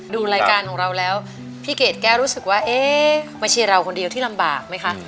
ดูรายการของเราแล้วพี่เกดแก้วรู้สึกว่าเอ๊ะไม่ใช่เราคนเดียวที่ลำบากไหมคะ